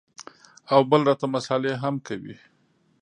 او بل راته مسالې هم کوې.